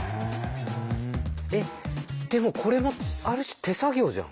えっでもこれもある種手作業じゃん。